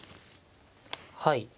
はい。